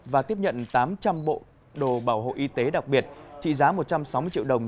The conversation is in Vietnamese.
và tiếp nhận tám trăm linh bộ đồ bảo hộ y tế đặc biệt trị giá một trăm sáu mươi triệu đồng